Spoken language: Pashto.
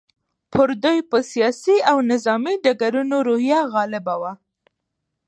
پر دوی په سیاسي او نظامي ډګرونو روحیه غالبه وه.